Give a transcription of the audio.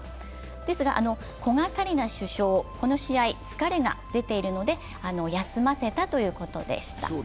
ですが古賀紗理那主将、この試合疲れが出ているので休ませたということでした。